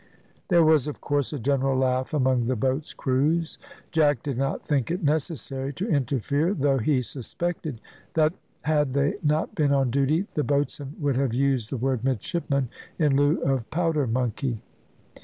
There was, of course, a general laugh among the boats' crews. Jack did not think it necessary to interfere, though he suspected that had they not been on duty the boatswain would have used the word "midshipman" in lieu of "powder monkey."